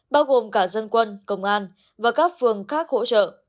bao gồm cả dân quân công an và các phường khác hỗ trợ